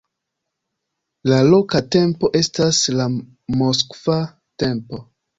La loka tempo estas la moskva tempo.